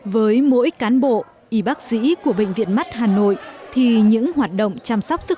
với mỗi cán bộ y bác sĩ của bệnh viện mắt hà nội thì những hoạt động chăm sóc sức